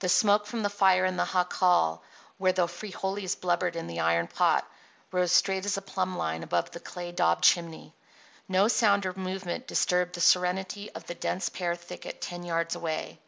The smoke from the fire in the jacal, where the frijoles blubbered in the iron pot, rose straight as a plumb line above the clay daubed chimney. No sound or movement disturbed the serenity of the dense pear thicket ten yards away.